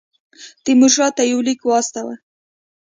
تیمورشاه ته یو لیک واستوي.